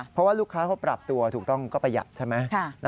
เพราะว่าลูกค้าเขาปรับตัวถูกต้องก็ประหยัดใช่ไหม